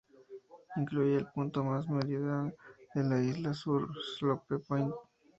Incluye el punto más meridional de la Isla Sur, Slope Point.